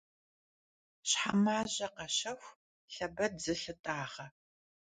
Şhemaje kheşexu, lheped zılhıt'ağe.